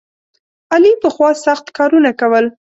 علي پخوا سخت کارونه کول.